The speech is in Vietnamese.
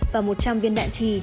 và một trăm linh viên đạn trị